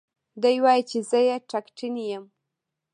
دى وايي چې زه يې ټکټنى يم.